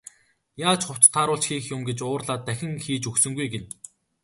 Яаж хувцас тааруулж хийх юм гэж уурлаад дахин хийж өгсөнгүй гэнэ.